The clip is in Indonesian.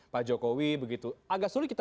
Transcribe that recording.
pak jokowi begitu agak sulit kita